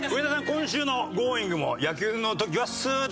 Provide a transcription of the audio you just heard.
今週の『Ｇｏｉｎｇ！』も野球の時はスーッと。